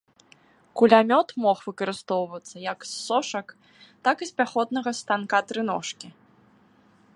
Кулямёт мог выкарыстоўвацца як з сошак, так і з пяхотнага станка-трыножкі.